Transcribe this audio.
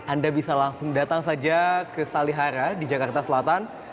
anda bisa langsung datang saja ke salihara di jakarta selatan